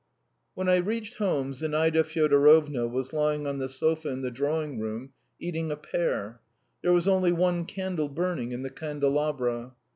When I reached home Zinaida Fyodorovna was lying on the sofa in the drawing room, eating a pear. There was only one candle burning in the candelabra.